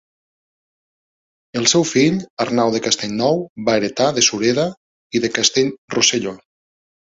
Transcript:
El seu fill Arnau de Castellnou va heretar de Sureda i de Castellrosselló.